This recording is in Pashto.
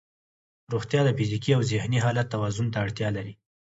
روغتیا د فزیکي او ذهني حالت توازن ته اړتیا لري.